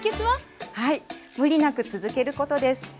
はい無理なく続けることです。